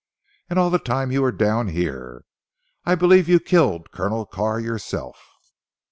And all the time you were down here! I believe you killed Colonel Carr yourself."